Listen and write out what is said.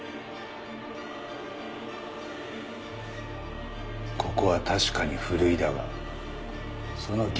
ここは確かにふるいだがその逆もある。